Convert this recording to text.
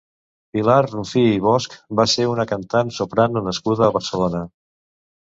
Pilar Rufí i Bosch va ser una cantant soprano nascuda a Barcelona.